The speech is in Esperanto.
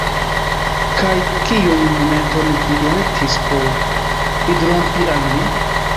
Kaj kiun momenton vi elektis por fidrompi al ni?